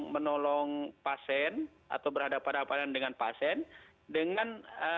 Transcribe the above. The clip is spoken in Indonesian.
menolong pasien atau berhadapan dengan pasien